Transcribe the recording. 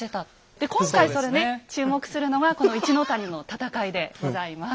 で今回それね注目するのはこの一の谷の戦いでございます。